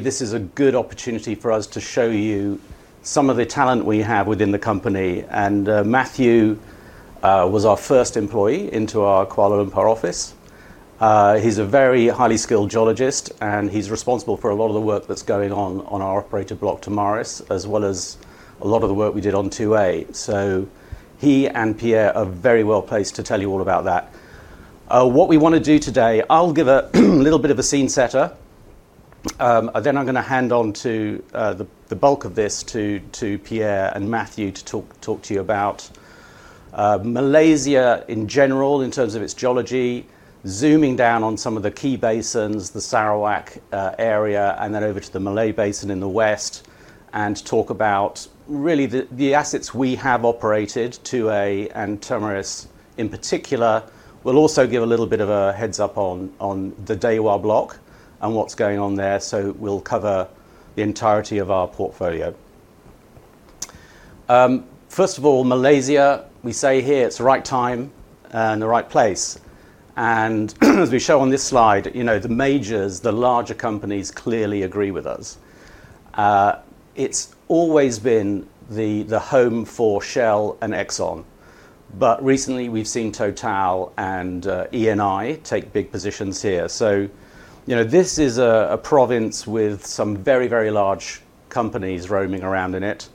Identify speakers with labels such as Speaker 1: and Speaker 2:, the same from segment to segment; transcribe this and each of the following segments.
Speaker 1: This is a good opportunity for us to show you some of the talent we have within the company. Matthew was our first employee into our Kuala Lumpur office. He's a very highly skilled geologist and he's responsible for a lot of the work that's going on on our operator block Topaz as well as a lot of the work we did on Block 2A. He and Dr. Pierre are very well placed to tell you all about that. What we want to do today, I'll give a little bit of a scene setter, then I'm going to hand the bulk of this to Dr. Pierre and Matthew to talk to you about Malaysia in general in terms of its geology, zooming down on some of the key basins, the Sarawak area, and then over to the Malay Basin in the west and talk about the assets we have operated, Block 2A and Topaz in particular. We'll also give a little bit of a heads up on the Dewa block and what's going on there. We'll cover the entirety of our portfolio. First of all, Malaysia. We say here it's the right time and the right place. As we show on this slide, the majors, the larger companies, clearly agree with us. It's always been the home for Shell and ExxonMobil, but recently we've seen TotalEnergies and Eni take big positions here. This is a province with some very, very large companies roaming around in it,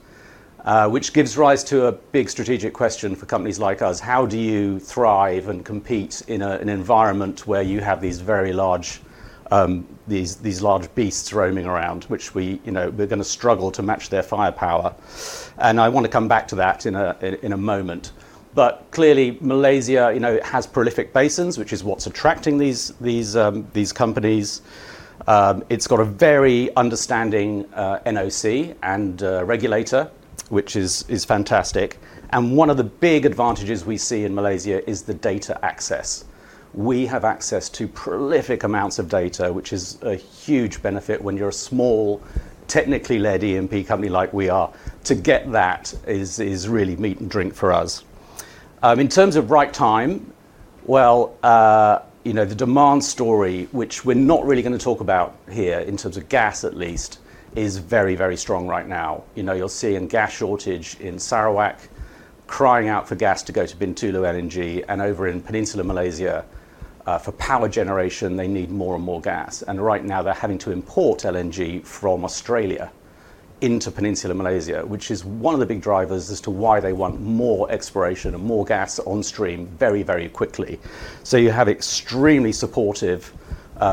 Speaker 1: which gives rise to a big strategic question for companies like us. How do you thrive and compete in an environment where you have these very large, these large beasts roaming around which we are going to struggle to match their firepower? I want to come back to that in a moment. Clearly, Malaysia has prolific basins, which is what's attracting these companies. It's got a very understanding NOC and regulator, which is fantastic. One of the big advantages we see in Malaysia is the data access. We have access to prolific amounts of data, which is a huge benefit when you're a small, technically led E&P company like we are. To get that is really meat and drink for us. In terms of right time, the demand story, which we're not really going to talk about here in terms of gas at least, is very, very strong right now. You know, you'll see a gas shortage in Sarawak crying out for gas to go to Bintulu LNG and over in Peninsular Malaysia for power generation, they need more and more gas and right now they're having to import LNG from Australia into Peninsular Malaysia, which is one of the big drivers as to why they want more exploration and more gas on stream very, very quickly. You have an extremely supportive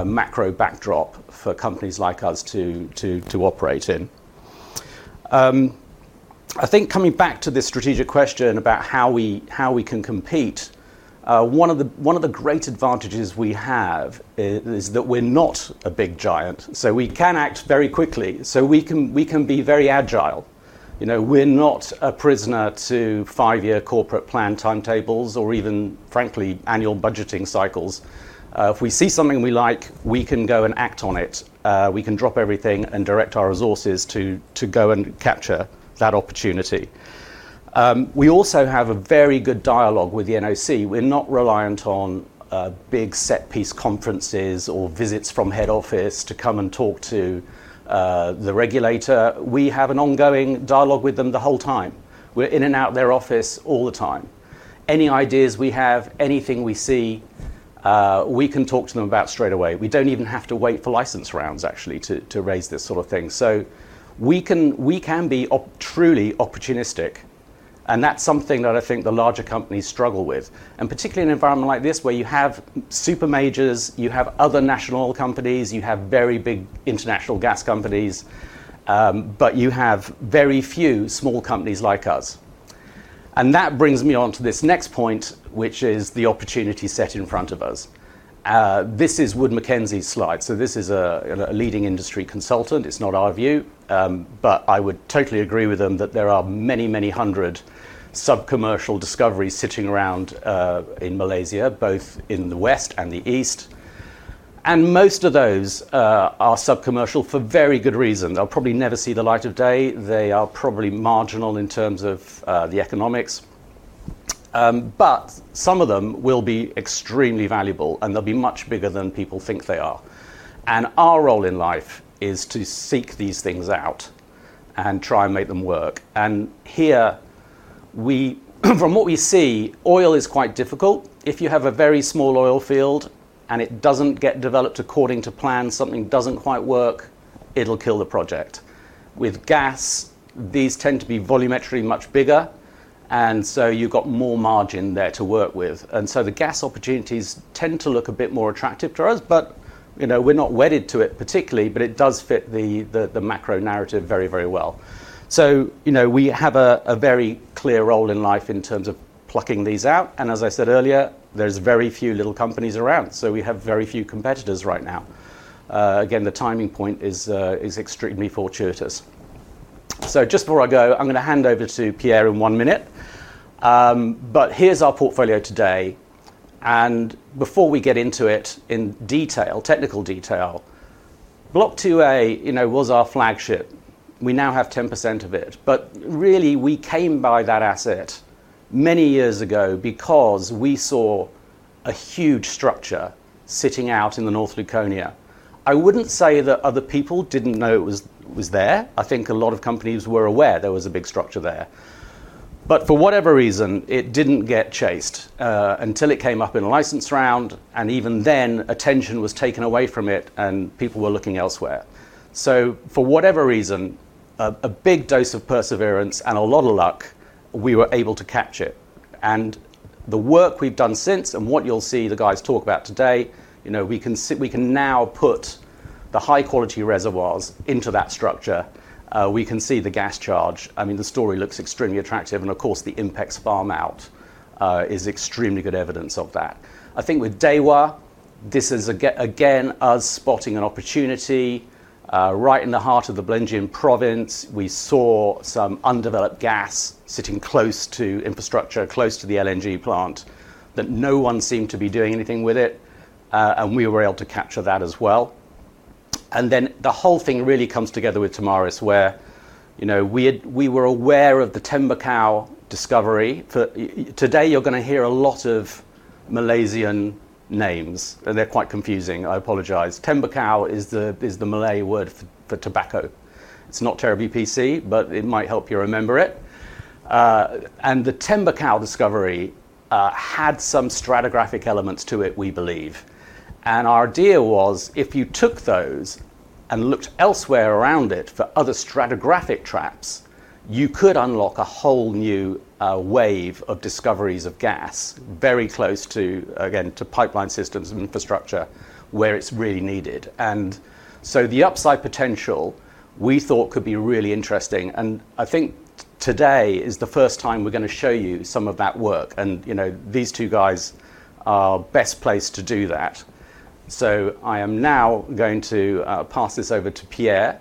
Speaker 1: macro backdrop for companies like us to operate in. I think coming back to this strategic question about how we can compete, one of the great advantages we have is that we're not a big giant. We can act very quickly, we can be very agile. We're not a prisoner to five-year corporate plan timetables or even, frankly, annual budgeting cycles. If we see something we like, we can go and act on it. We can drop everything and direct our resources to go and capture that opportunity. We also have a very good dialogue with the NOC. We're not reliant on big set piece conferences or visits from head office to come and talk to the regulator. We have an ongoing dialogue with them the whole time. We're in and out of their office all the time. Any ideas we have, anything we see, we can talk to them about straight away. We don't even have to wait for license rounds actually to raise this sort of thing, so we can be truly opportunistic. That's something that I think the larger companies struggle with, particularly in an environment like this where you have super majors, you have other national oil companies, you have very big international gas companies, but you have very few small companies like us. That brings me on to this next point, which is the opportunity set in front of us. This is Wood Mackenzie's slide. This is a leading industry consultant. It's not our view, but I would totally agree with them that there are many, many hundred sub-commercial discoveries sitting around in Malaysia, both in the west and the east. Most of those are sub-commercial for very good reason. They'll probably never see the light of day. They are probably marginal in terms of the economics, but some of them will be extremely valuable and they'll be much bigger than people think they are. Our role in life is to seek these things out and try and make them work. Here we are. From what we see, oil is quite difficult. If you have a very small oil field and it doesn't get developed according to plan, something doesn't quite work, it'll kill the project. With gas, these tend to be volumetrically much bigger, and so you've got more margin there to work with. The gas opportunities tend to look a bit more attractive to us, but you know, we're not wedded to it particularly. It does fit the macro narrative very, very well. We have a very clear role in life in terms of plucking these out. As I said earlier, there's very few little companies around, so we have very few competitors right now. The timing point is extremely fortuitous. Just before I go, I'm going to hand over to Pierre in one minute. Here's our portfolio today, and before we get into it in detail, technical details. Block 2A was our flagship. We now have 10% of it. Really, we came by that asset many years ago because we saw a huge structure sitting out in the North Luconia. I wouldn't say that other people didn't know it was there. I think a lot of companies were aware there was a big structure there, but for whatever reason it didn't get chased until it came up in a license round. Even then, attention was taken away from it and people were looking elsewhere. For whatever reason, a big dose of perseverance and a lot of luck, we were able to catch it. The work we've done since and what you'll see the guys talk about today, you know, we can now put the high quality reservoirs into that structure. We can see the gas charge. The story looks extremely attractive and of course the INPEX farm out is extremely good evidence of that. I think with Dewa, this is again us spotting an opportunity right in the heart of the Balingian province. We saw some undeveloped gas sitting close to infrastructure, close to the LNG plant, that no one seemed to be doing anything with. We were able to capture that as well. The whole thing really comes together with Topaz, where we were aware of the Tembakau discovery. Today you're going to hear a lot of Malaysian names. They're quite confusing, I apologize. Tembakau is the Malay word for tobacco. It's not terribly PC, but it might help you remember it. The Tembakau discovery had some stratigraphic elements to it, we believe. Our idea was if you took those and looked elsewhere around it for other stratigraphic traps, you could unlock a whole new wave of discoveries of gas very close again to pipeline systems and infrastructure where it's really needed. The upside potential we thought could be really interesting. I think today is the first time we're going to show you some of that work. These two guys are best placed to do that. I am now going to pass this over to Dr. Pierre,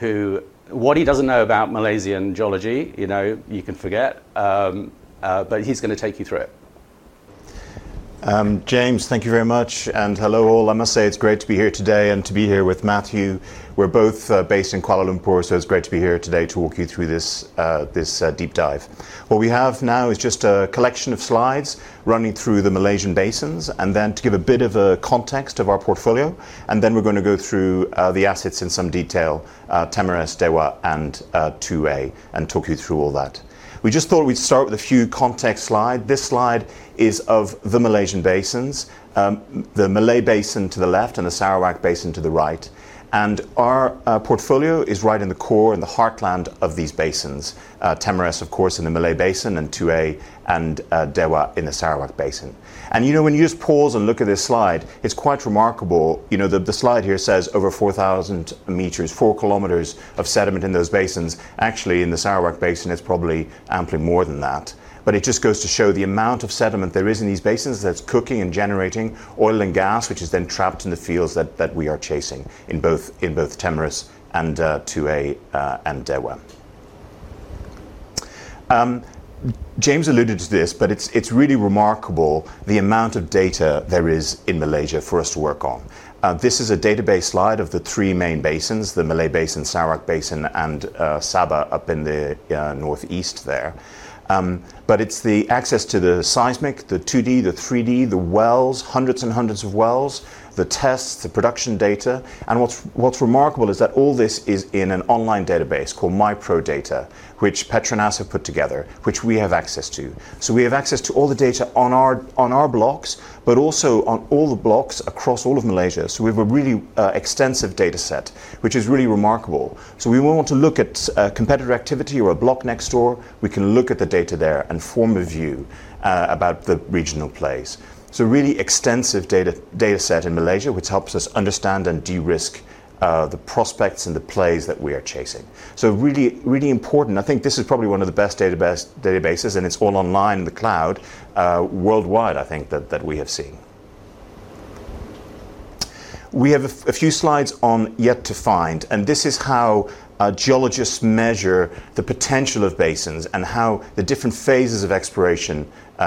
Speaker 1: who, what he doesn't know about Malaysian geology, you can forget, but he's going to take you through it.
Speaker 2: James, thank you very much and hello all. I must say it's great to be here today and to be here with Matthew. We're both based in Kuala Lumpur, so it's great to be here today to walk you through this deep dive. What we have now is just a collection of slides running through the Malaysian basins and then to give a bit of a context of our portfolio and then we're going to go through the assets in some detail and, Dewa, and 2A and talk you through all that. We just thought we'd start with a few context slides. This slide is of the Malaysian basins, the Malay Basin to the left and the Sarawak Basin to the right. Our portfolio is right in the core and the heartland of these basins. Topaz, of course, in the Malay Basin and 2A and Dewa in the Sarawak Basin. You know, when you just pause and look at this slide, it's quite remarkable. The slide here says over 4,000 meters, 4 kilometers of sediment in those basins. Actually, in the Sarawak Basin, it's probably amply more than that, but it just goes to show the amount of sediment there is in these basins that's cooking and generating oil and gas, which is then trapped in the fields that we are chasing in both Topaz and 2A. James alluded to this, but it's really remarkable the amount of data there is in Malaysia for us to work on. This is a database slide of the three main basins, the Malay Basin, Sarawak Basin, and Sabah up in the north there. It's the access to the seismic, the 2D, the 3D, the wells, hundreds and hundreds of wells, the tests, the production data. What's remarkable is that all this is in an online database called myPROdata database, which PETRONAS have put together, which we have access to. We have access to all the data on our blocks, but also on all the blocks across all of Malaysia. We have a really extensive data set which is really remarkable. If we want to look at competitive activity or a block next door, we can look at the data there and form a view about the regional plays. Really extensive data set in Malaysia which helps us understand and de-risk the prospects and the plays that we are chasing. Really, really important. I think this is probably one of the best databases and it's all online in the cloud worldwide, I think, that we have seen. We have a few slides on yet to find and this is how geologists measure the potential of basins and how the different phases of exploration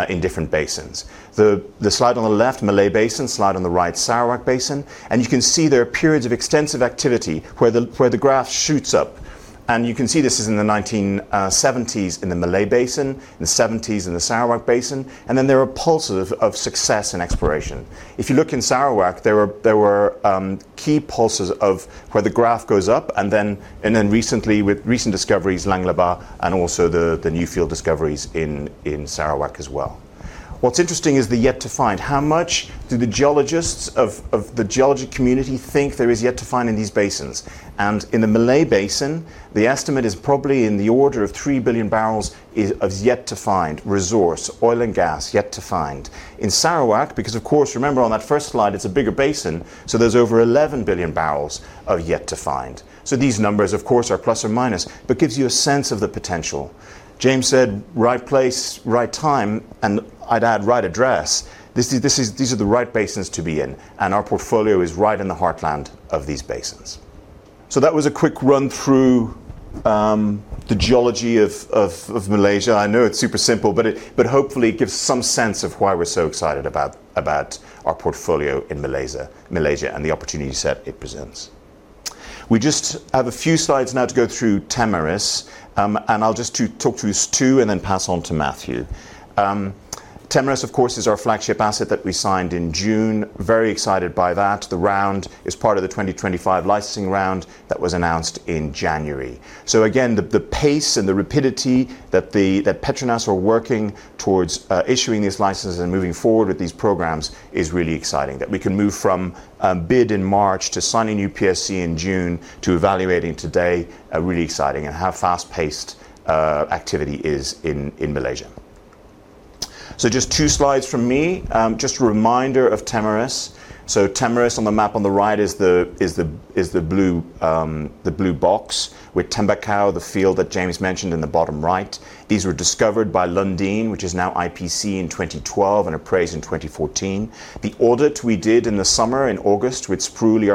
Speaker 2: in different basins. The slide on the left, Malay Basin, slide on the right, Sarawak Basin, and you can see there are periods of extensive activity where the graph shoots up. You can see this is in the 1970s in the Malay Basin, in the 1970s in the Sarawak Basin. There are pulses of success in exploration. If you look in Sarawak, there were key pulses, pulses where the graph goes up, and then recently with recent discoveries Lang Lebah and also the new field discoveries in Sarawak as well. What's interesting is the yet to find. How much do the geologists of the geology community think there is yet to find in these basins? In the Malay Basin, the estimate is probably in the order of 3 billion barrels as yet to find resource oil and gas. Yet to find in Sarawak, because of course, remember on that first slide it's a bigger basin, so there's over 11 billion barrels of yet to find. These numbers of course are plus or minus, but gives you a sands of the potential. James said right place, right time, and I'd add right address. This is. These are the right basins to be in, and our portfolio is right in the heartland of these basins. That was a quick run through the geology of Malaysia. I know it's super simple, but hopefully gives some sense of why we're so excited about our portfolio in Malaysia and the opportunity set it presents. We just have a few slides now to go through Topaz, and I'll just talk through two and then pass on to Matthew. Topaz of course is our flagship asset that we signed in June. Very excited by that. The round is part of the 2025 licensing round that was announced in January. Again, the pace and the rapidity that PETRONAS are working towards issuing these licenses and moving forward with these programs is really exciting that we can move from bid in March to sign a new PSC in June to evaluating today. Really exciting and how fast paced activity is in Malaysia. Just two slides from me, just a reminder of Topaz. Topaz on the map on the right is the blue box with Tembakau, the field that James mentioned in the bottom right. These were discovered by Lundin, which is now IPC, in 2012 and appraised in 2014. The audit we did in the summer in August with Sproule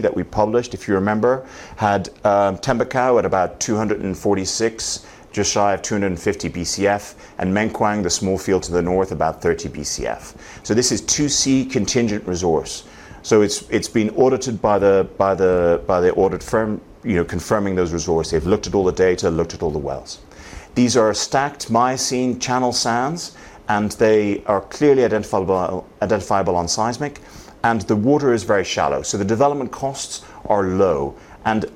Speaker 2: that we published, if you remember, had Tembakau at about 246, just shy of 250 BCF. Mengkuang, the small field to the north, about 30 BCF. This is 2C contingent resource. It's been audited by the audit firm, confirming those resources. They've looked at all the data, looked at all the wells. These are stacked Miocene channel sands and they are clearly identifiable on seismic. The water is very shallow, so the development costs are low.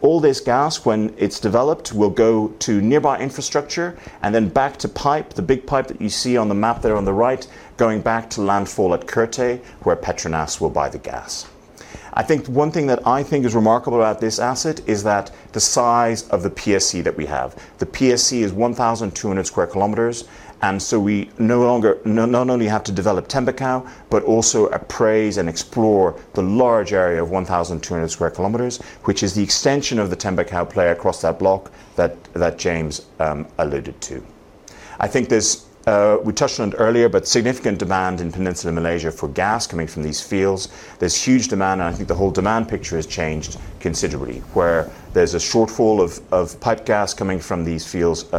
Speaker 2: All this gas, when it's developed, will go to nearby infrastructure and then back to pipe, the big pipe that you see on the map there on the right, going back to landfall at Bintulu where PETRONAS will buy the gas. I think one thing that is remarkable about this asset is that the size of the PSC that we have, the PSC is 1,200 square kilometers. We no longer not only have to develop Tembakau, but also appraise and explore the large area of 1,200 square kilometers, which is the extension of the Tembakau play across that block that James alluded to. I think we touched on this earlier, but significant demand in Peninsula Malaysia for gas coming from these fields. There's huge demand and I think the whole demand picture has changed considerably where there's a shortfall of pipe gas coming from these fields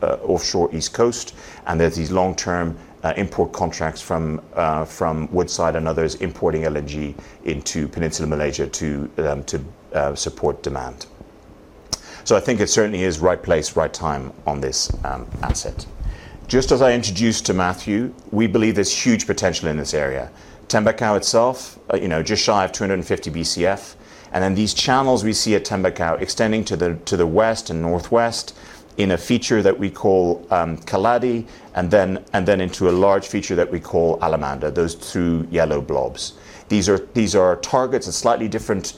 Speaker 2: offshore east coast and there are these long-term import contracts from Woodside and others importing LNG into Peninsula Malaysia to support demand. It certainly is right place, right time on this asset. Just as I introduced to Matthew, we believe there's huge potential in this area. Tembakau itself, just shy of 250 BCF. These channels we see at Tembakau extend to the west and northwest in a feature that we call Keladi and then into a large feature that we call Alamanda, those two yellow blobs. These are targets of slightly different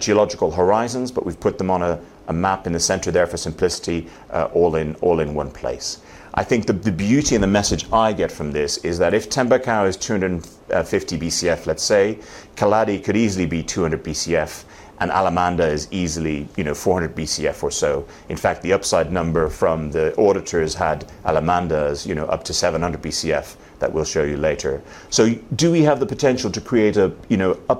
Speaker 2: geological horizons, but we've put them on a map in the center there for simplicity, all in one place. The beauty and the message I get from this is that if Tembakau is 250 BCF, let's say Keladi could easily be 200 BCF and Alamanda is easily 400 BCF or so. In fact, the upside number from the auditors had Alamanda up to 700 BCF that we'll show you later. Do we have the potential to create up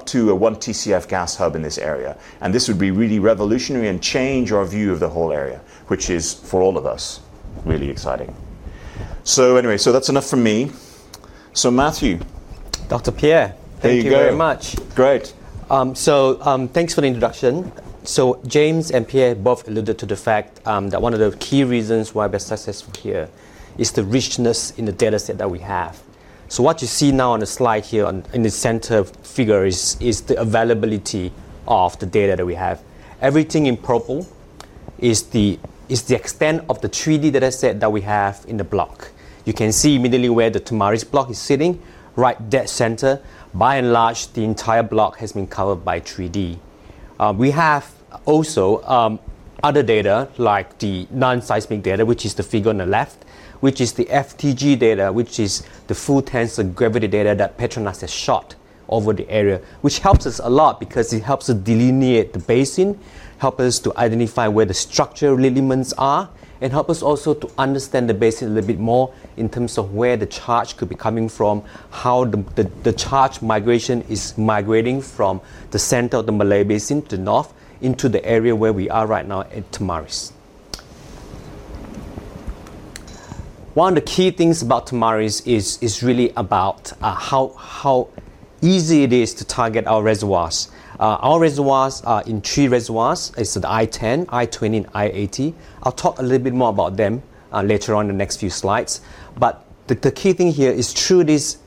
Speaker 2: to a 1 TCF gas hub in this area? This would be really revolutionary and change our view of the whole area, which is for all of us really exciting. That's enough for me. Matthew,
Speaker 3: Dr. Pierre, thank you very much.
Speaker 2: Great.
Speaker 3: Thanks for the introduction. James and Dr. Pierre both alluded to the fact that one of the key reasons why we're successful here is the richness in the data set that we have. What you see now on the slide here in the center figure is the availability of the data that we have. Everything in purple is the extent of the 3D data set that we have in the block. You can see immediately where the Topaz block is sitting right dead center. By and large, the entire block has been covered by 3D. We have also other data like the non-seismic data, which is the figure on the left, which is the FTG data, which is the full tensor gravity data that PETRONAS has shot over the area. This helps us a lot because it helps to delineate the basin, helps us to identify where the structural elements are, and helps us also to understand the basin a little bit more in terms of where the charge could be coming from, how the charge migration is migrating from the center of the Malay Basin to the north into the area where we are right now at Topaz. One of the key things about Topaz is really about how easy it is to target our reservoirs. Our reservoirs are in three reservoirs. It's the I10, I20, and I80. I'll talk a little bit more about them later on the next few slides. The key thing here is through this,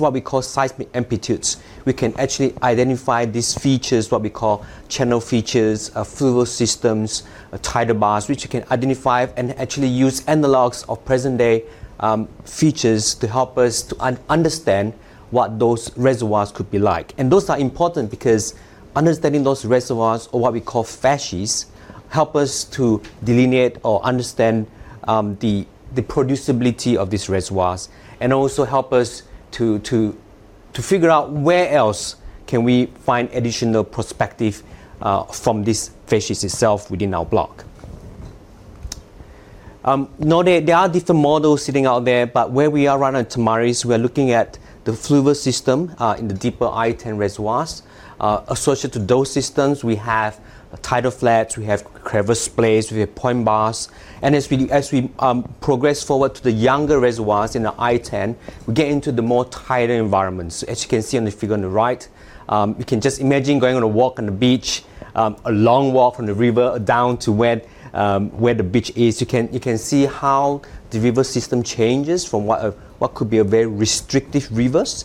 Speaker 3: what we call seismic amplitudes, we can actually identify these features, what we call channel features, fluvial systems, tidal bars, which you can identify and actually use analogs of present-day features to help us to understand what those reservoirs could be like. Those are important because understanding those reservoirs, or what we call facies, helps us to delineate or understand the producibility of these reservoirs and also helps us to figure out where else can we find additional perspective from this facies itself. Within our block there are different models sitting out there. Where we are right on Topaz, we are looking at the fluvial system. In the deeper I10 reservoirs associated to those systems, we have tidal flats, we have crevasse splay, we have point bars. As we progress forward to the younger reservoirs in the I10, we get into the more tidal environments. As you can see on the figure on the right, you can just imagine going on a walk on the beach and a long walk from the river down to where the beach is. You can see how the river system changes from what could be a very restrictive river as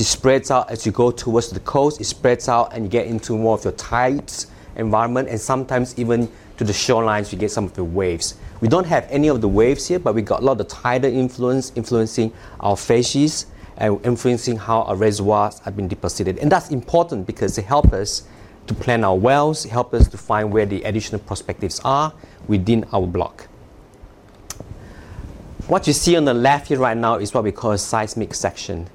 Speaker 3: it spreads out as you go towards the coast. It spreads out and you get into more of your tides environment and sometimes even to the shorelines. You get some of the waves. We don't have any of the waves here, but we got a lot of tidal influence influencing our facies and influencing how our reservoirs have been deposited. That's important because they help us to plan our wells, help us to find where the additional prospectives are within our block. What you see on the left here right now is what we call a seismic section.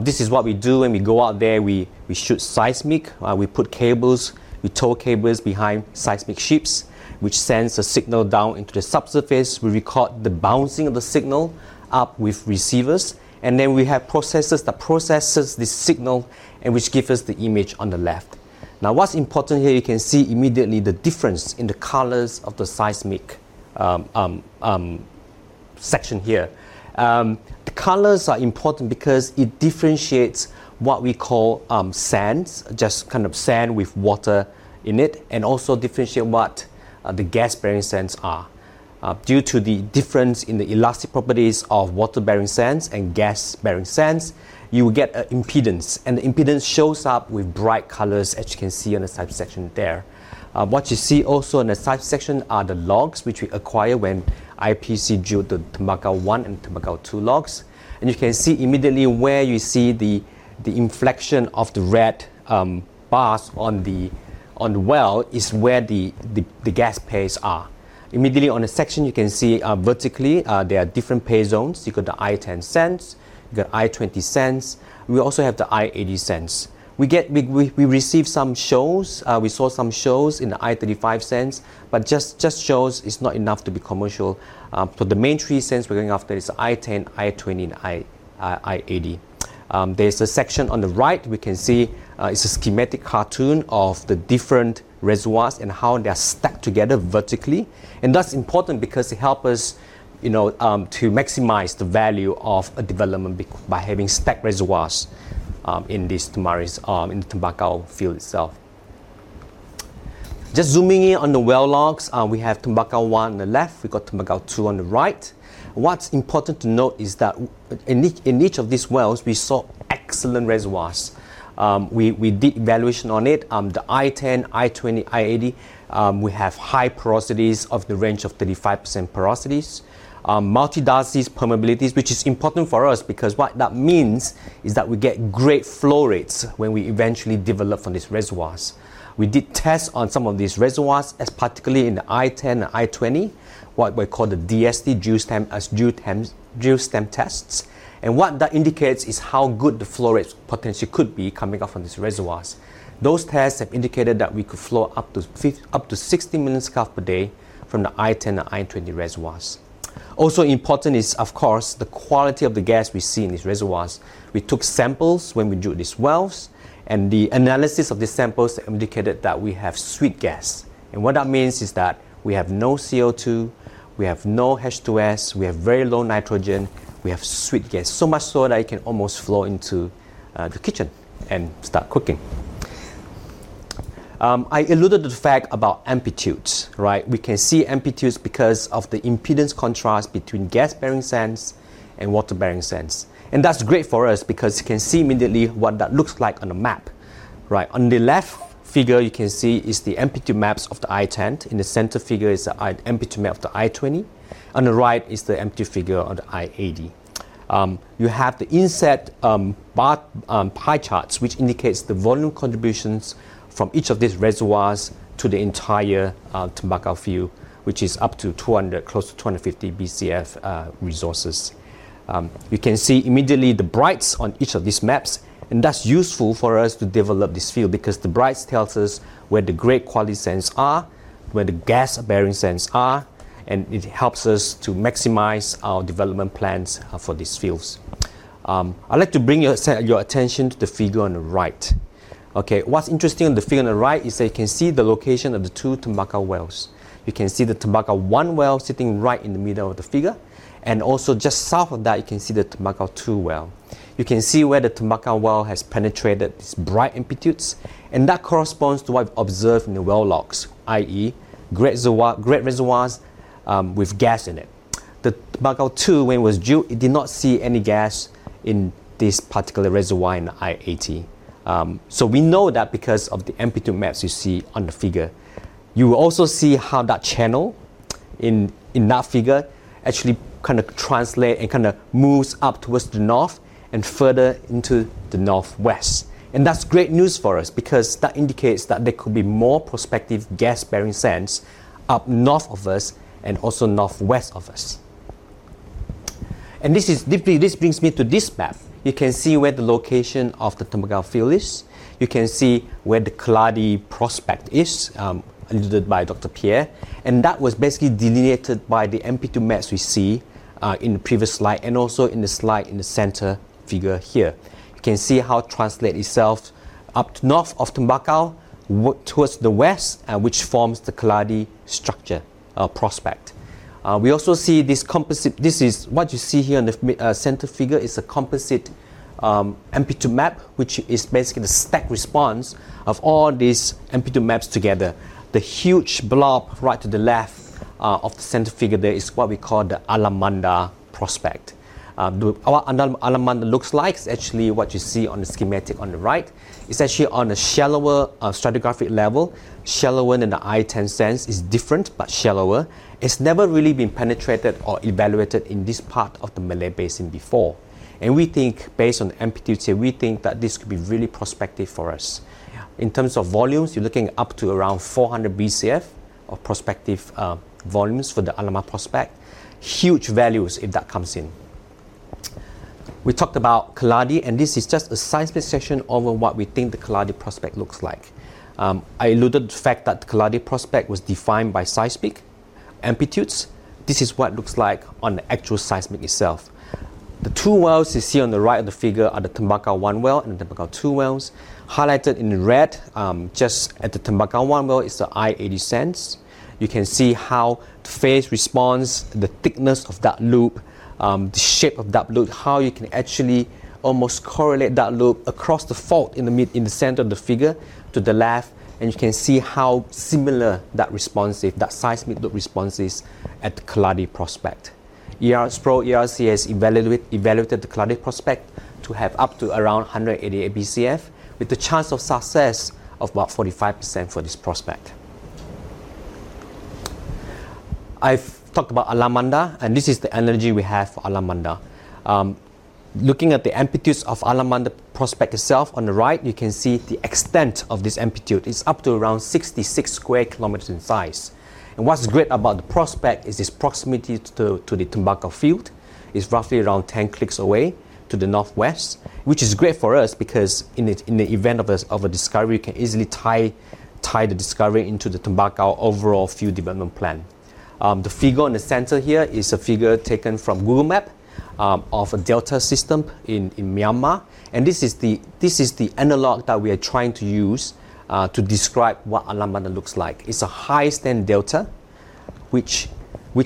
Speaker 3: This is what we do when we go out there. We shoot seismic. We put cables, we tow cables behind seismic ships, which sends a signal down into the subsurface. We record the bouncing of the signal up with receivers. We have processors that process this signal, which give us the image on the left. Now what's important here, you can see immediately the difference in the colors of the seismic section here. The colors are important because it differentiates what we call sands, just kind of sand with water in it, and also differentiates what the gas bearing sands are. Due to the difference in the elastic properties of water bearing sands and gas bearing sands, you will get an impedance and the impedance shows up with bright colors. As you can see on the side section there. What you see also in the side section are the logs which we acquire when INPEX Corporation drilled the Tembakau 1 and Tembakau 2 wells. You can see immediately where you see the inflection of the red bars on the well is where the gas pays are. Immediately on a section you can see vertically, there are different pay zones. You got the I10 sands, got I20 sands. We also have the I80 sands. We received some shows. We saw some shows in the I35 sands, but just shows, it's not enough to be commercial. The main sands we're going after are I10, I20, and I80. There's a section on the right we can see. It's a schematic cartoon of the different reservoirs and how they are stacked together vertically. That's important because it helps us to maximize the value of a development by having stacked reservoirs in this Tembakau field itself. Just zooming in on the well logs, we have Tembakau 1 on the left, we got Tembakau 2 on the right. What's important to note is that in each of these wells we saw excellent reservoirs. We did evaluation on it. The I10, I20, I80, we have high porosities of the range of 35% porosities, multi-darcy permeability, which is important for us because what that means is that we get great flow rates when we eventually develop from these reservoirs. We did tests on some of these reservoirs, particularly in the I10 and I20, what we call the DST as drill stem tests. What that indicates is how good the flow rate potential could be coming up from these reservoirs. Those tests have indicated that we could flow up to 50, up to 60 million scf per day from the I10 and I20 reservoirs. Also important is of course the quality of the gas we see in these reservoirs. We took samples when we drilled these wells and the analysis of the samples indicated that we have sweet gas. What that means is that we have no CO2, we have no H2S, we have very low nitrogen, we have sweet gas so much so that it can almost flow into the kitchen and start cooking. I alluded to the fact about amplitudes, right? We can see amplitudes because of the impedance contrast between gas bearing sands and water bearing sands. That's great for us because you can see immediately what that looks like. On the map, right? On the left figure you can see is the MP2 maps of the I10. In the center figure is the MP2 map of the I20. On the right is the empty figure. On the I80 you have the inset pie charts which indicates the volume contributions from each of these reservoirs to the entire Tombaca field, which is up to 200 close to 250 BCF resources. You can see immediately the brights on each of these maps. That's useful for us to develop this field because the brights tells us where the grade quality sands are, where the gas bearing sands are. It helps us to maximize our development plans for these fields. I'd like to bring your attention to the figure on the right. What's interesting on the figure on the right is that you can see the location of the two Tombaca wells. You can see the Tombaca 1 well sitting right in the middle of the figure. Also just south of that you can see the Temakau 2 well. You can see where the Tombaca well has penetrated its bright amplitudes. That corresponds to what we've observed in the well logs. That is great reservoirs with gas in it. The Tembakau 2, when it was due, it did not see any gas in this particular reservoir in I80. We know that because of the amplitude maps you see on the figure. You will also see how that channel in that figure actually kind of translates and kind of moves up towards the north and further into the northwest. That's great news for us because that indicates that there could be more prospective gas bearing sands up north of us and also northwest of us. This brings me to this map. You can see where the location of the Tembakau field is. You can see where the Keladi Prospect is alluded by Dr. Pierre. That was basically delineated by the MP2 maps we see in the previous slide. Also in the slide in the center figure here, you can see how translate itself up north of Tombaca towards the west, which forms the Keladi structure prospect. We also see this composite. This is what you see here. In the center figure is a composite MP2 map which is basically the stack response of all these MP2 maps together. The huge blob right to the left of the center figure there is what we call the Alamanda Prospect. Our Alamanda looks like is actually what you see on the schematic on the right. It's actually on a shallower stratigraphic level. Shallower than the I10 sense is different, but shallower. It's never really been penetrated or evaluated in this part of the Malay Basin before. We think based on amplitude, we think that this could be really prospective for us. In terms of volumes, you're looking up to around 400 BCF of prospective volumes for the Alamanda Prospect. Huge values if that comes in. We talked about Keladi and this is just a science fit session over what we think the Keladi Prospect looks like. I alluded to the fact that Keladi Prospect was defined by seismic amplitudes. This is what it looks like on the actual seismic itself. The two wells you see on the right of the figure are the Tembaka 1 well and Tembaka 2 wells highlighted in red just at the Tempacan 1 well. It's the I80 sense. You can see how the phase responds, the thickness of that loop, the shape of that loop, how you can actually almost correlate that loop across the fold in the center of the figure to the left. You can see how similar that seismic loop response is at Keladi Prospect. ERCE has evaluated the Keladi Prospect to have up to around 188 BCF with the chance of success of about 45% for this prospect. I've talked about Alamanda and this is the energy we have for Alamanda. Looking at the amplitudes of Alamanda Prospect itself on the right, you can see the extent of this amplitude, it's up to around 66 square kilometers in size. What's great about the prospect is its proximity to the Tembaka field. It's roughly around 10 km away to the northwest, which is great for us because in the event of a discovery you can easily tie the discovery into the Tembaka overall field development plan. The figure in the center here is a figure taken from Google Map of a delta system in Myanmar. This is the analog that we are trying to use to describe what Alamanda looks like. It's a high stand delta which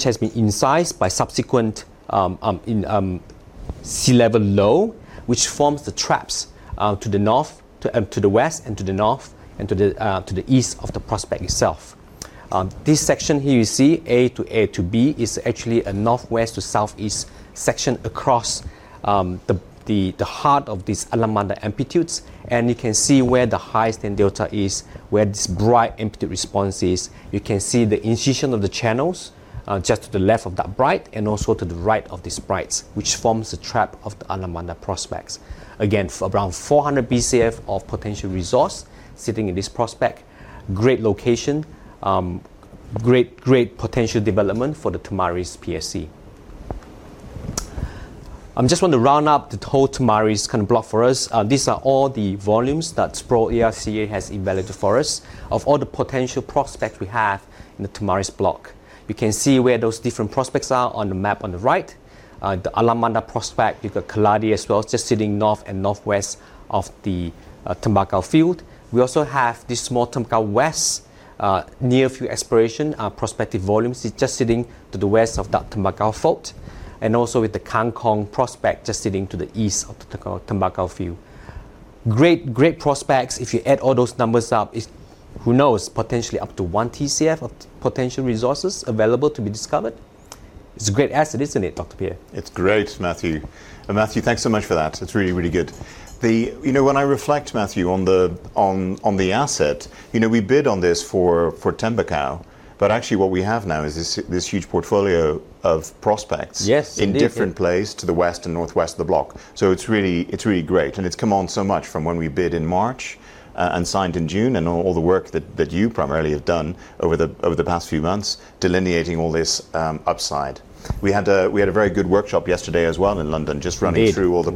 Speaker 3: has been incised by subsequent sea level low which forms the traps to the north, to the west, and to the east of the prospect itself. This section here you see A to B is actually a northwest to southeast section across the heart of these Alamanda amplitudes. You can see where the high stand delta is, where this bright amplitude response is. You can see the incision of the channels just to the left of dark bright and also to the right of these brights which forms the trap of the Alamanda prospects. Again, around 400 BCF of potential resource sitting in this prospect. Great location. Great, great potential development for the Topaz Cluster PSC. I just want to round up the whole Topaz kind of block for us. These are all the volumes that Sproule ERCE has invalidated for us of all the potential prospects we have in the Topaz block. You can see where those different prospects are on the map. On the right, the Alamanda prospect, you've got Keladi as well, just sitting north and northwest of the Tembakao field. We also have this small Tembakao West near-field exploration prospective volumes just sitting to the west of that Tembakao fault, and also with the Kangkong prospect just sitting to the east of Tembakao field. Great, great prospects. If you add all those numbers up, who knows, potentially up to 1 TCF of potential resources available to be discovered. It's a great asset, isn't it Dr. Pierre?
Speaker 2: It's great, Matthew. Matthew, thanks so much for that. It's really, really good. You know, when I reflect, Matthew, on the asset, you know we bid on this for Tembakau. Actually, what we have now is this huge portfolio of prospects, yes, in different places to the west and northwest of the block. It's really great and it's come on so much from when we bid in March and signed in June. All the work that you primarily have done over the past few months delineating all this upside. We had a very good workshop yesterday as well in London, just running through all the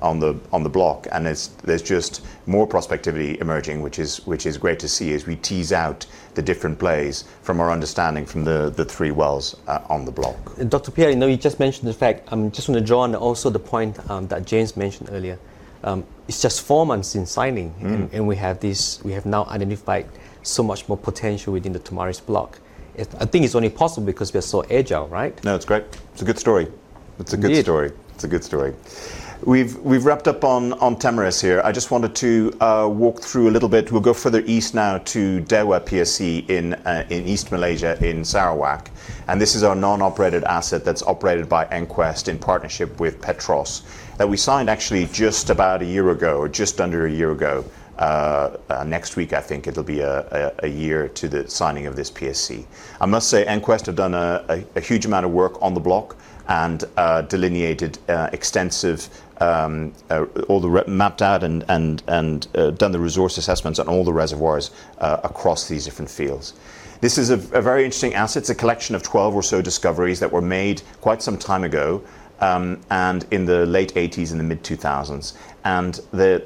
Speaker 2: productivity on the block, and there's just more prospectivity emerging, which is great to see as we tease out the different plays from our understanding from the three wells on the block.
Speaker 3: Dr. Pierre, you know you just mentioned the fact. I just want to draw on also the point that James mentioned earlier. It's just four months since signing and we have this. We have now identified so much more potential within the Topaz Cluster PSC. I think it's only possible because we are so agile. Right.
Speaker 2: No, it's great. It's a good story. It's a good story. It's a good story. We've wrapped up on Topaz here. I just wanted to walk through a little bit. We'll go further east now to Dewa PSC in East Malaysia in Sarawak. This is our non-operated asset that's operated by EnQuest in partnership with PETROS that we signed actually just about a year ago or just under a year ago next week. I think it'll be a year to the signing of this PSC. I must say EnQuest have done a huge amount of work on the block and delineated extensive, all the, mapped out and done the resource assessments on all the reservoirs across these different fields. This is a very interesting asset. It's a collection of 12 or so discoveries that were made quite some time ago in the late 1980s and the mid-2000s.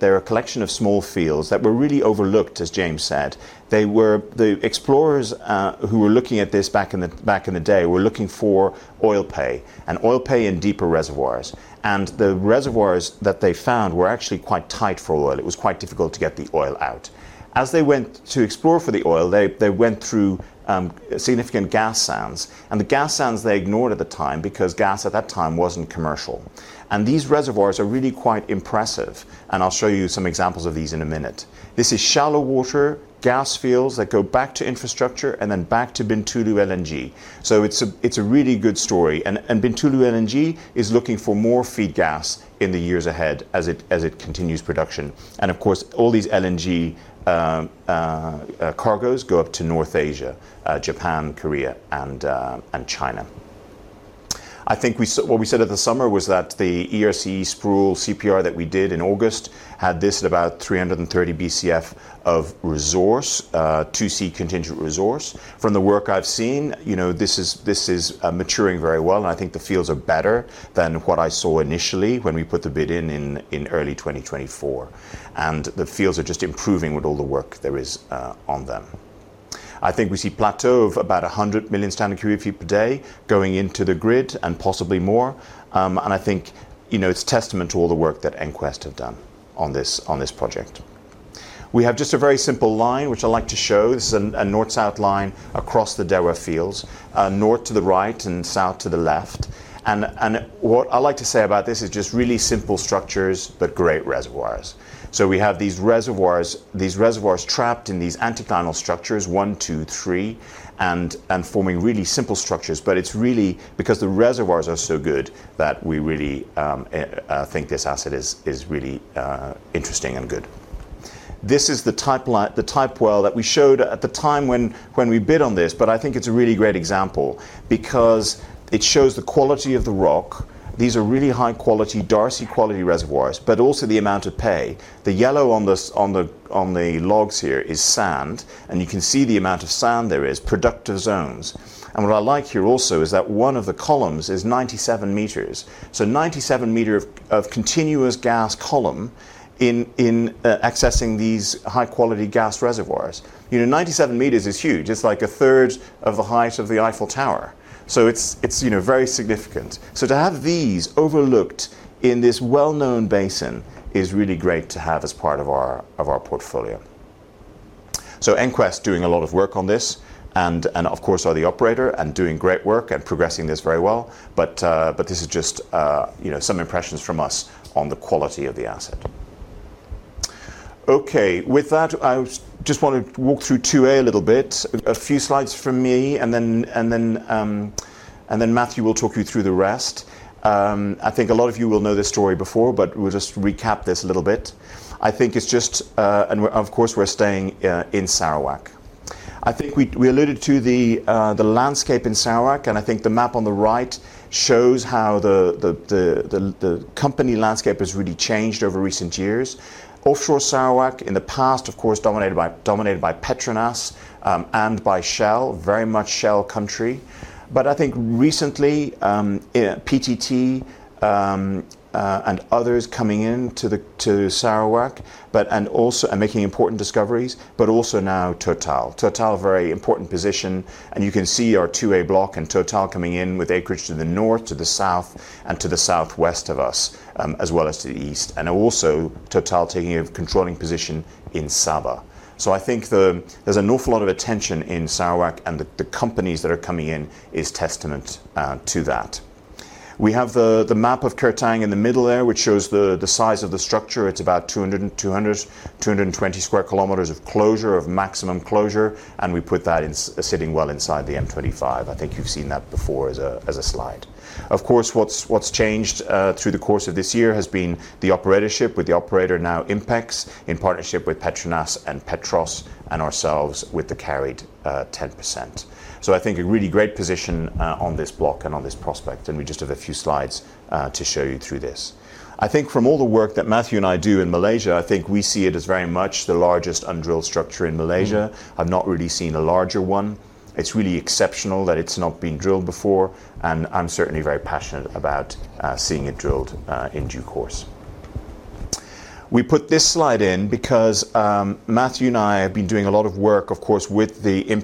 Speaker 2: They're a collection of small fields that were really overlooked. As James said, the explorers who were looking at this back in the day were looking for oil pay and oil pay in deeper reservoirs and the reservoirs that they found were actually quite tight for oil. It was quite difficult to get the oil out. As they went to explore for the oil they went through significant gas sands and the gas sands they ignored at the time because gas at that time wasn't commercial. These reservoirs are really quite impressive and I'll show you some examples of these in a minute. This is shallow water gas fields that go back to infrastructure and then back to Bintulu LNG. It's a really good story. Bintulu LNG is looking for more feed gas in the years ahead as it continues production. Of course all these LNG cargoes go up to North Asia, Japan, Korea, and China. I think what we said at the summer was that the ERC Sproule CPR that we did in August had this at about 330 BCF of resource 2C contingent resource. From the work I've seen, this is maturing very well and I think the fields are better than what I saw initially when we put the bid in in early 2024. The fields are just improving with all the work there is on them. I think we see plateau of about 100 million standard cubic feet per day going into the grid and possibly more. I think it's testament to all the work that EnQuest have done on this project. We have just a very simple line which I'd like to show. This is a north-south line across the Dewa fields, north to the right and south to the left. What I like to say about this is just really simple structures but great reservoirs. We have these reservoirs trapped in these anticlinal structures 1, 2, 3 and forming really simple structures. It's really because the reservoirs are so good that we really think this asset is really interesting and good. This is the type well that we showed at the time when we bid on this. I think it's a really great example because it shows the quality of the rock. These are really high quality Darcy quality reservoirs but also the amount of pay. The yellow on the logs here is sand and you can see the amount of sand there is productive zones. What I like here also is that one of the columns is 97 meters. So 97 meters of continuous gas column in accessing these high quality gas reservoirs, you know, 97 meters is huge. It's like a third of the height of the Eiffel Tower. It's very significant. To have these overlooked in this well known basin is really great to have as part of our portfolio. EnQuest doing a lot of work on this and of course are the operator and doing great work and progressing this very well. This is just some impressions from us on the quality of the asset. With that I just want to walk through 2A, a little bit, a few slides from me and then Matthew will talk you through the rest. I think a lot of you will know this story before but we'll just recap this a little bit. Of course we're staying in Sarawak. I think we alluded to the landscape in Sarawak and I think the map on the right shows how the company landscape has really changed over recent years. Offshore Sarawak in the past of course dominated by PETRONAS and by Shell, very much Shell country. I think recently PTT and others coming in to Sarawak and making important discoveries. Also now TotalEnergies, very important position. You can see our 2A block and TotalEnergies coming in with acreage to the north, to the south, south and to the southwest of us, as well as to the east, and also TotalEnergies taking a controlling position in Sabah. I think there's an awful lot of attention in Sarawak and the companies that are coming in is testament to that. We have the map of Kertang in the middle there, which shows the size of the structure. It's about 220 square kilometers of closure, of maximum closure. We put that sitting well inside the M25. I think you've seen that before as a slide. Of course, what's changed through the course of this year has been the operatorship with the operator, now INPEX Corporation in partnership with PETRONAS and PETROS and ourselves with the carried 10%. I think a really great position on this block and on this prospect. We just have a few slides to show you through this. I think from all the work that Matthew and I do in Malaysia, we see it as very much the largest undrilled structure in Malaysia. I've not really seen a larger one. It's really exceptional that it's not been drilled before. I'm certainly very passionate about seeing it drilled in due course. We put this slide in because Matthew and I have been doing a lot of work, of course, with INPEX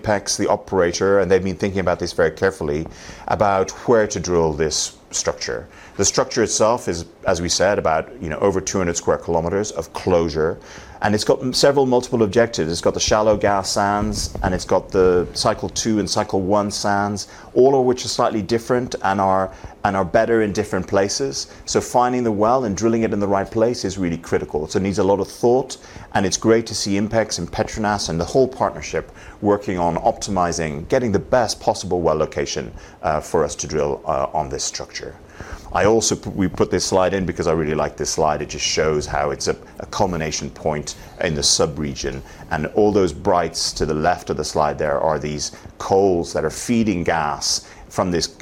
Speaker 2: Corporation, the operator, and they've been thinking about this very carefully about where to drill this structure. The structure itself is, as we said, about over 200 square kilometers of closure. It's got several multiple objectives. It's got the shallow gas sands and it's got the cycle two and cycle one sands, all of which are slightly different and are better in different places. Finding the well and drilling it in the right place is really critical. It needs a lot of thought. It's great to see INPEX Corporation and PETRONAS and the whole partnership working on optimizing, getting the best possible well location for us to drill on this structure. We also put this slide in because I really like this slide. It just shows how it's a culmination point in the sub region. All those bright to the left of the slide there are these coals that are feeding gas from this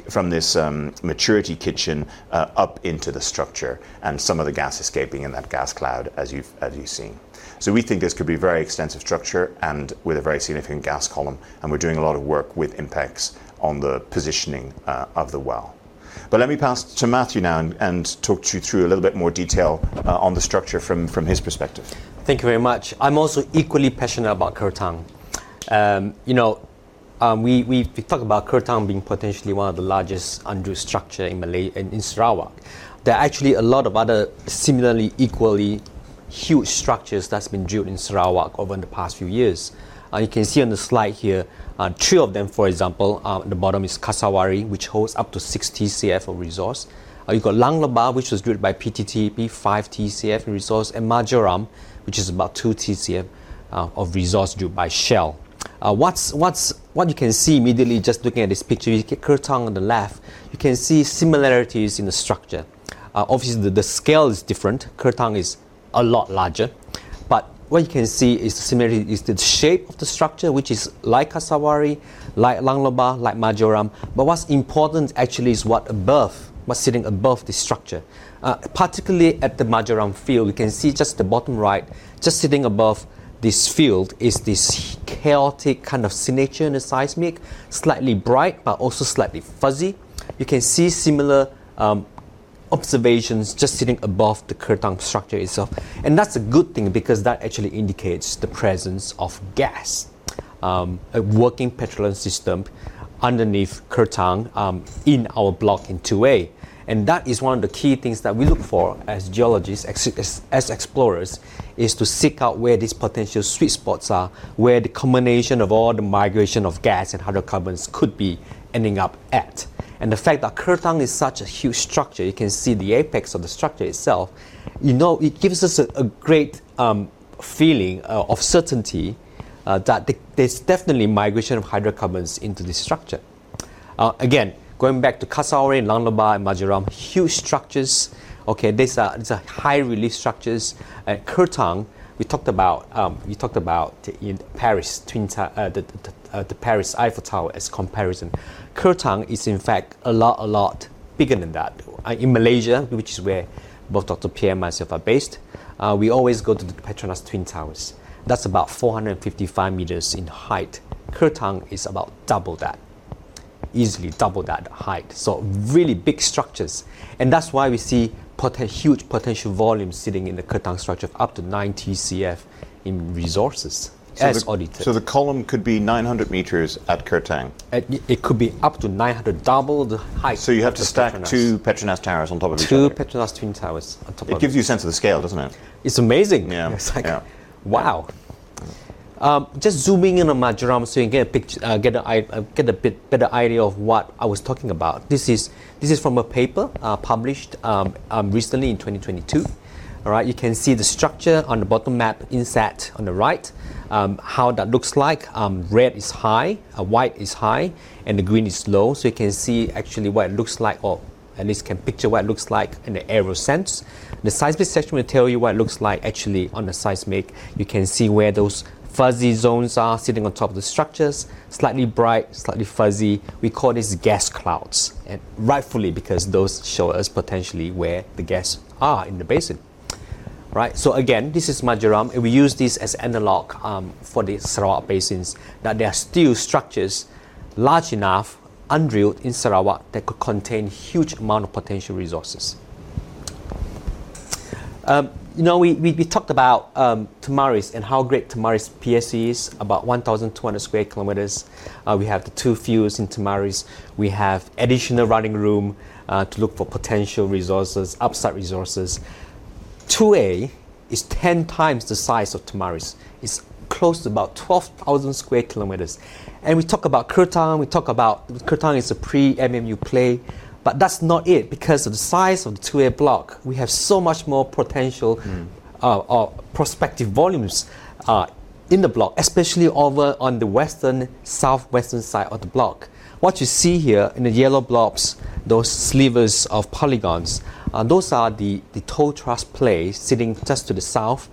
Speaker 2: maturity kitchen up into the structure and some of the gas escaping in that gas cloud, as you've seen. We think this could be very extensive structure and with a very significant gas column. We're doing a lot of work with INPEX Corporation on the positioning of the well. Let me pass to Matthew now and talk you through a little bit more detail on the structure from his perspective.
Speaker 3: Thank you very much. I'm also equally passionate about Kertang. We talked about Kertang being potentially one of the largest undrilled structures in Sarawak. There are actually a lot of other similarly equally huge structures that have been drilled in Sarawak over the past few years. You can see on the slide here three of them. For example, the bottom is Kasawari, which holds up to 6 TCF of resource. You've got Lang Lebah, which was drilled by PETRONAS, 5 TCF resource, and Marjoram, which is about 2 TCF of resource drilled by Shell. What you can see immediately just looking at this picture, you get Kertang on the left. You can see similarities in the structure. Obviously, the scale is different. Kertang is a lot larger. What you can see is similarity in the shape of the structure, which is like Kasawari, like Lang Lebah, like Marjoram. What's important actually is what's above. What's sitting above this structure, particularly at the Marjoram field, you can see just the bottom right. Just sitting above this field is this chaotic kind of signature in the seismic, slightly bright, but also slightly fuzzy. You can see similar observations just sitting above the Kertang structure itself. That's a good thing because that actually indicates the presence of gas, a working petroleum system underneath Kertang in our block in 2A. That is one of the key things that we look for as geologists, as explorers, to seek out where these potential sweet spots are, where the combination of all the migration of gas and hydrocarbons could be ending up at. The fact that Kertang is such a huge structure, you can see the apex of the structure itself. It gives us a great feeling of certainty that there's definitely migration of hydrocarbons into this structure. Again, going back to Kasawari, Lang Lebah, and Marjoram. Huge structures. These are high relief structures. Kertang we talked about, we talked about in Paris, the Paris Eiffel Tower as comparison, Kertang is in fact a lot, a lot bigger than that. In Malaysia, which is where both Dr. Pierre and myself are based, we always go to the PETRONAS Twin Towers. That's about 455 meters in height. Kertang is about double that, easily double that height. Really big structures. That's why we see huge potential volumes sitting in the Kertang structure of up to 9 TCF in resources as audited.
Speaker 2: The column could be 900 meters. At Kertang
Speaker 3: it could be up to. 900, double the height.
Speaker 2: You have to stack two PETRONAS.
Speaker 3: Towers on top of each two PETRONAS Twin Towers.
Speaker 2: It gives you a sense of the scale, doesn't it?
Speaker 3: It's amazing.
Speaker 2: Yeah.
Speaker 3: Wow. Just zooming in on Marjoram so you can get a bit better idea of what I was talking about. This is from a paper published recently in 2022. All right, you can see the structure on the bottom map inset on the right. How that looks like. Red is high, white is high, and the green is low. You can see actually what it looks like on at least can picture what it looks like in the aerial sense. The seismic section will tell you what it looks like actually on the seismic. You can see where those fuzzy zones are sitting on top of the structures. Slightly bright, slightly fuzzy. We call this gas clouds rightfully because those show us potentially where the gas are in the basin. Right. Again, this is marjoram and we use this as analog for the Sarawak basins that there are still structures large enough undrilled in Sarawak that could contain huge amount of potential resources. You know, we talked about Topaz and how great Topaz PSC is, about 1,200 km2. We have the two fields in Topaz. We have additional running room to look for potential resources, upside resources. 2A is 10 times the size of Topaz, is close to about 12,000 square kilometers. We talk about Kertang, we talk about Kertang is a pre-MMU play, but that's not it. Because of the size of the 2A block, we have so much more potential prospective volumes in the block, especially over on the western, southwestern side of the block. What you see here in the yellow blobs, those slivers of polygons, those are the Toe Thrust play sitting just to the south,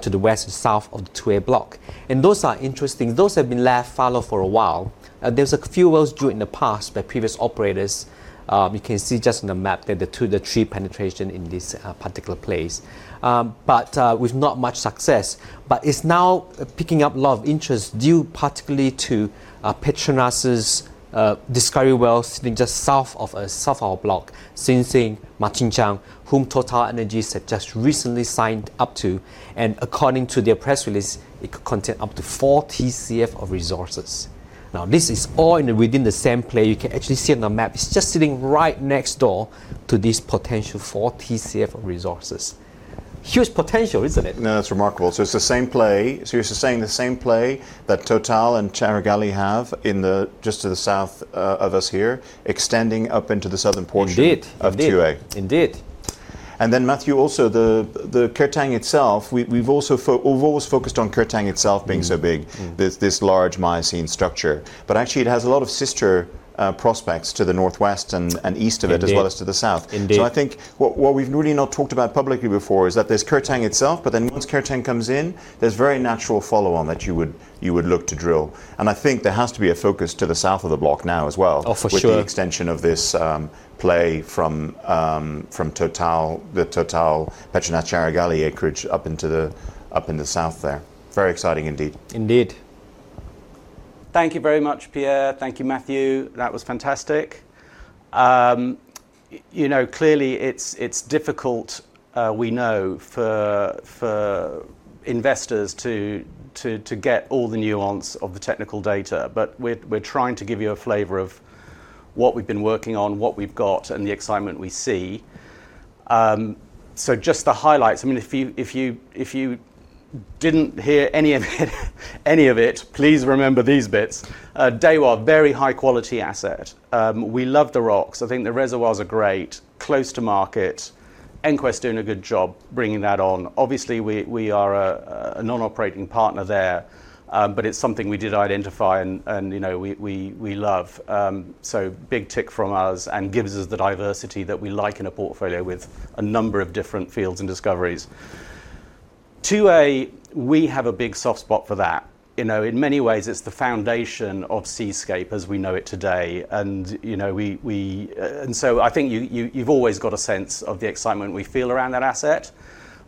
Speaker 3: to the west and south of the 2A block. Those are interesting. Those have been left fallow for a while. There's a few wells due in the past by previous operators. You can see just in the map there the two, the tree penetration in this particular place, but with not much success. It's now picking up a lot of interest due particularly to PETRONAS discovery wells sitting just south of our block. Sinsing Machinchang, whom TotalEnergies have just recently signed up to, and according to their press release it could contain up to 4 TCF of resources. This is all within the same play. You can actually see on the map, it's just sitting right next door to these potential 4 TCF resources. Huge potential, isn't it?
Speaker 2: No. That's remarkable. It's the same play, seriously saying the same play that TotalEnergies and Carigali have in the, just to the south of us here, extending up into the southern portion of 2A.
Speaker 3: Indeed.
Speaker 2: Matthew, also the Kertang itself, we've also focused on Kertang itself being so big, this large Miocene structure, but actually it has a lot of sister prospects to the northwest and east of it as well as to the south.
Speaker 3: Indeed.
Speaker 2: I think what we've really not talked about publicly before is that there's Kertang itself, but then once Kertang comes in, there's very natural follow on that. You would look to drill, and I think there has to be a focus to the south of the block now as well.
Speaker 3: For sure.
Speaker 2: Extension of this play from Total, the TotalEnergies PETRONAS Carigali acreage up in the south there. Very exciting
Speaker 3: indeed.
Speaker 1: Thank you very much, Pierre. Thank you, Matthew. That was fantastic. Clearly it's difficult, we know for investors to get all the nuance of the technical data, but we're trying to give you a flavor of what we've been working on, what we've got, and the excitement we see. Just the highlights, I mean if you didn't hear any of it, please remember these bits. Dewa, very high quality asset. We love the rocks. I think the reservoirs are great. Close to market. EnQuest doing a good job bringing that on. Obviously we are a non-operating partner there, but it's something we did identify and we love, so big tick from us and gives us the diversity that we like in a portfolio with a number of different fields and discoveries. Block 2A, we have a big soft spot for that. In many ways it's the foundation of Seascape Energy Asia as we know it today. I think you've always got a sense of the excitement we feel around that asset.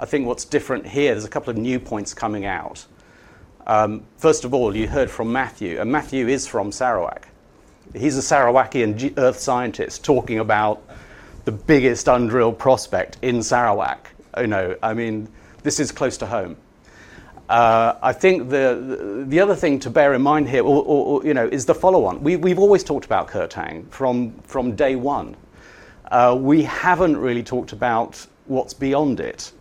Speaker 1: I think what's different here, there's a couple of new points coming out. First of all, you heard from Matthew, and Matthew is from Sarawak. He's a Sarawakian Earth scientist talking about the biggest Kertang prospect in Sarawak. This is close to home. The other thing to bear in mind here is the follow on. We've always talked about Kertang from day one. We haven't really talked about what's beyond it.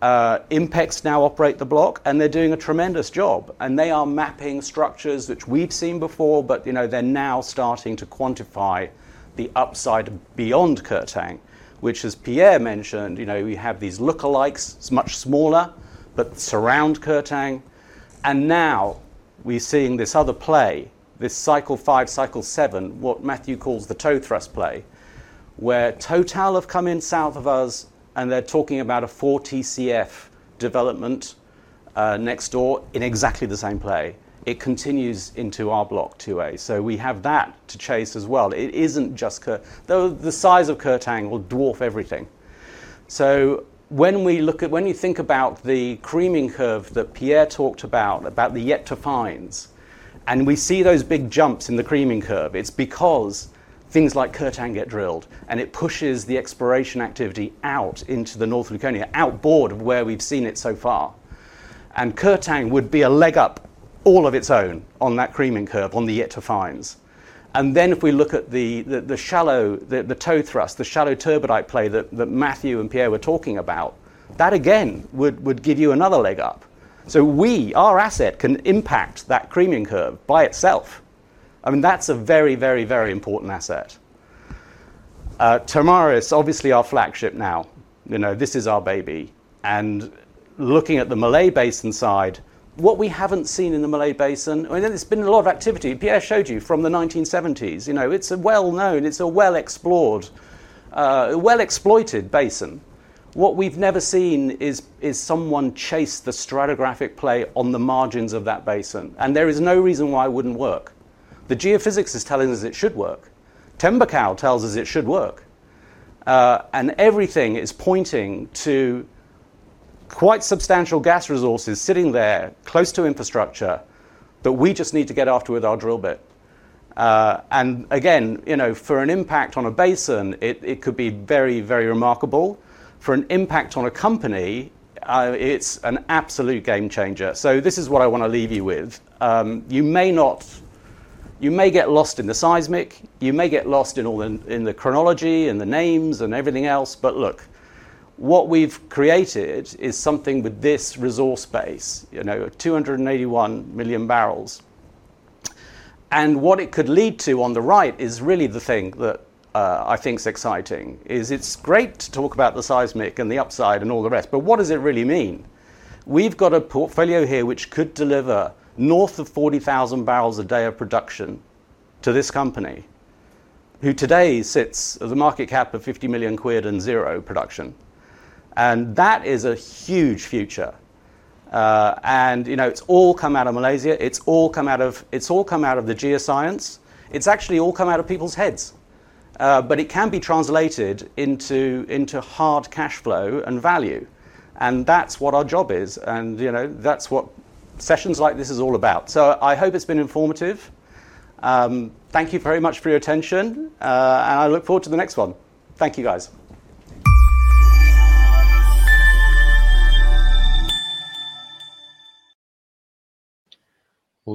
Speaker 1: INPEX Corporation now operate the block and they're doing a tremendous job, and they are mapping structures which we've seen before, but they're now starting to quantify the upside beyond Kertang, which as Pierre mentioned, we have these lookalikes, much smaller, but surround Kertang. Now we're seeing this other play, this Cycle V, Cycle VII, what Matthew calls the toe thrust play, where TotalEnergies have come in south of us and they're talking about a 4 TCF development next door in exactly the same play. It continues into our Block 2A. We have that to chase as well. It isn't just the size of Kertang will dwarf everything. When you think about the creaming curve that Pierre talked about, about the yet to find, and we see those big jumps in the creaming curve, it's because things like Kertang get drilled and it pushes the exploration activity out into the North Luconia outboard of where we've seen it so far. Kertang would be a leg up all of its own on that creaming curve on the yet to finds. If we look at the shallow, the toe thrust, the shallow turbidite play that Matthew and Dr. Pierre were talking about, that again would give you another leg up. Our asset can impact that creaming curve by itself. I mean that's a very, very, very important asset. Topaz is obviously our flagship now, you know, this is our baby. Looking at the Malay Basin side, what we haven't seen in the Malay Basin, there's been a lot of activity Dr. Pierre showed you from the 1970s. You know, it's a well-known, well-explored, well-exploited basin. What we've never seen is someone chase the stratigraphic play on the margins of that basin. There is no reason why it wouldn't work. The geophysics is telling us it should work. Tembakau tells us it should work. Everything is pointing to quite substantial gas resources sitting there close to infrastructure that we just need to get after with our drill bit. For an impact on a basin, it could be very, very remarkable. For an impact on a company, it's an absolute game changer. This is what I want to leave you with. You may get lost in the seismic, you may get lost in the chronology and the names and everything else. Look, what we've created is something with this resource base, 281 million barrels. What it could lead to on the right is really the thing that I think is exciting. It's great to talk about the seismic and the upside and all the rest, but what does it really mean? We've got a portfolio here which could deliver north of 40,000 barrels a day of production to this company who today sits at the market cap of £50 million and zero production. That is a huge future. You know, it's all come out of Malaysia, it's all come out of, it's all come out of the geoscience, it's actually all come out of people's heads. It can be translated into hard cash flow and value and that's what our job is. That's what sessions like this is all about. I hope it's been informative. Thank you very much for your attention and I look forward to the next one. Thank you guys.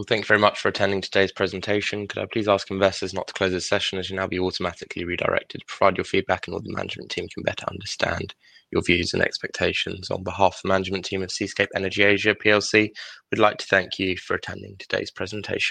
Speaker 3: Thank you very much for attending today's presentation. Could I please ask investors not to. Close this session as you now be. Automatically redirected, provide your feedback and the management team can better understand your views and expectations. On behalf of the management team of. Seascape Energy Asia plc, we'd like to. Thank you for attending today's presentation.